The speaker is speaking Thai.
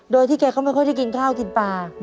โดยที่แกก็ไม่ค่อยได้กินข้าวกินปลา